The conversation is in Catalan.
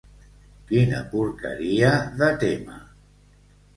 Quina porqueria de tema.